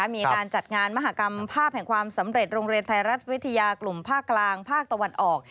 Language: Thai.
มีการจัดงานมหากรรมภาพแห่งความสำเร็จโรงเรียนไทยรัฐวิทยากลุ่มภาคกลางภาคตะวันออก